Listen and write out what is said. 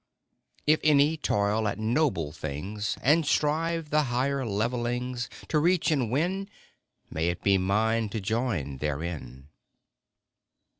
If any toil at noble things, And strive the higher levellings To reach and win, May it be mine to join therein.